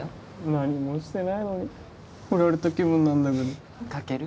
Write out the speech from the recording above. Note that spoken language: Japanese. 何もしてないのにフラれた気分なんだけどカケル